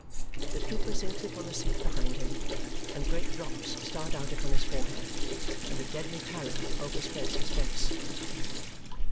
The trooper sinks upon a seat behind him, and great drops start out upon his forehead, and a deadly pallor overspreads his face.